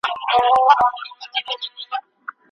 پښتو ته په ډیجیټل عصر کې خپل حق ورکړئ.